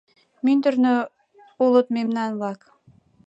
— Мӱндырнӧ улыт мемнан-влак?